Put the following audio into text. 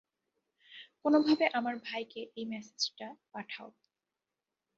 কোনভাবে আমার ভাইকে এই মেসেজটা পাঠাও।